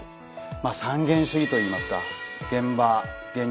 まあ三現主義といいますか現場現実現物